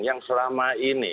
yang selama ini